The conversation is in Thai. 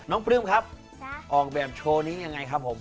ปลื้มครับออกแบบโชว์นี้ยังไงครับผม